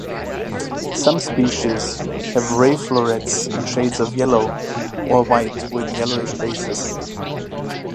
Some species have ray florets in shades of yellow, or white with yellowish bases.